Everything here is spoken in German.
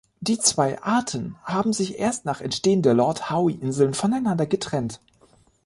Die zwei Arten haben sich erst nach Entstehen der Lord-Howe-Insel voneinander getrennt.